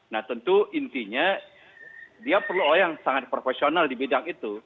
nah tentu intinya dia perlu orang yang sangat profesional di bidang itu